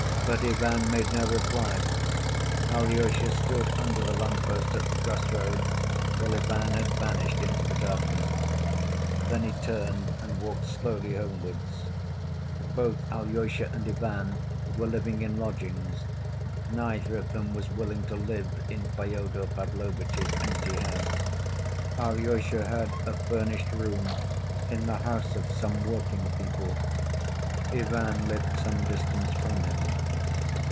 But Ivan made no reply. Alyosha stood under the lamp‐post at the cross roads, till Ivan had vanished into the darkness. Then he turned and walked slowly homewards. Both Alyosha and Ivan were living in lodgings; neither of them was willing to live in Fyodor Pavlovitch's empty house. Alyosha had a furnished room in the house of some working people. Ivan lived some distance from him.